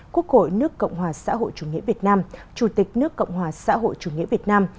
quốc hội nước cộng hòa xã hội chủ nghĩa việt nam chủ tịch nước cộng hòa xã hội chủ nghĩa việt nam